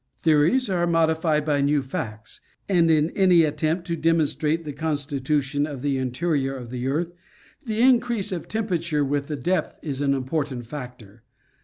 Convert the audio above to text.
Theories are modified by new facts, and in any attempt to demonstrate the constitution of the interior of the earth, the increase of temperature with the depth is an important factor.